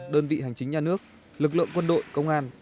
đơn vị hành chính nhà nước lực lượng quân đội công an